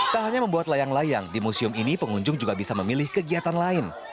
tak hanya membuat layang layang di museum ini pengunjung juga bisa memilih kegiatan lain